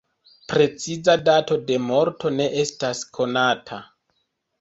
Preciza dato de morto ne estas konata.